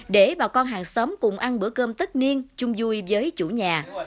để bà con hàng xóm cùng ăn bữa cơm tất niên chung vui với chủ nhà